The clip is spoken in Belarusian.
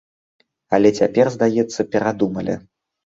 Але цяпер, здаецца, перадумалі.